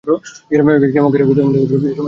ক্ষেমংকরী তাহার মাথায় হাত দিয়া কহিলেন, এসো মা, এসো।